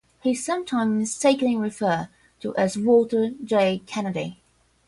He is sometimes mistakenly referred to as Walter J. Kennedy.